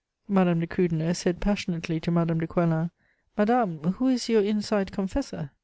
Madame de Krüdener said passionately to Madame de Coislin: "Madame, who is your inside confessor?"